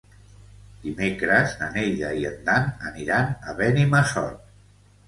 Dimecres na Neida i en Dan aniran a Benimassot.